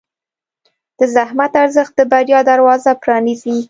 د زحمت ارزښت د بریا دروازه پرانیزي.